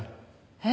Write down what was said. えっ？